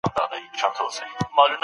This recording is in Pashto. ایا فکري تنوع زموږ په ګټه ده؟